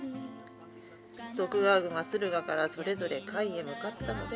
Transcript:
「徳川軍は駿河からそれぞれ甲斐へ向かったのでございます」。